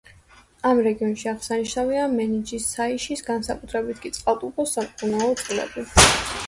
ამ რეგიონში აღსანიშნავია მენჯის, ცაიშის, განსაკუთრებით კი წყალტუბოს სამკურნალო წყლები.